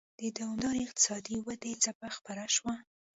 د دوامدارې اقتصادي ودې څپه خپره شوه.